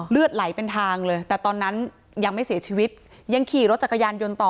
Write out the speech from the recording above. เลือดไหลเป็นทางเลยแต่ตอนนั้นยังไม่เสียชีวิตยังขี่รถจักรยานยนต์ต่อ